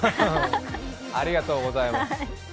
ありがとうございます。